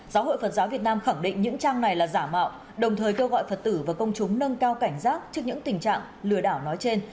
giáo hội phật giáo việt nam khẳng định những trang này là giả mạo đồng thời kêu gọi phật tử và công chúng nâng cao cảnh giác trước những tình trạng lừa đảo nói trên